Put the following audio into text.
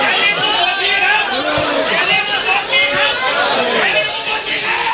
เจลิอุ้มผมครับเจลิอุ้มผมครับเจลิอุ้มผมครับเจลิอุ้มผมครับ